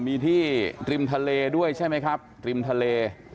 มีที่ริมทะเลด้วยใช่ไหมครับริมทะเล